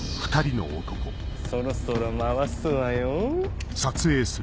そろそろ回すわよどうぞ。